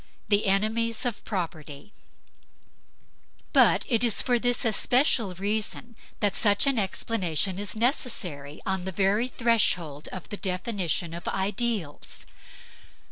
THE ENEMIES OF PROPERTY But it is for this especial reason that such an explanation is necessary on the very threshold of the definition of ideals.